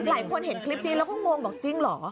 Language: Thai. หลายคนเห็นคลิปนี้แล้วก็งงบอกจริงเหรอ